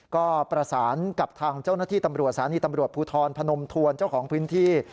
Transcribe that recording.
ก็ประสานกับทางเจ้าหน้าที่ตำรวจสถานีตำรวจภูทรพนมทวนเจ้าของพื้นที่